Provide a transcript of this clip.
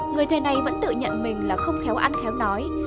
người thầy này vẫn tự nhận mình là không khéo ăn khéo nói